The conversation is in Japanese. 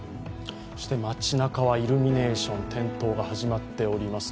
街なかはイルミネーションの点灯が始まっております。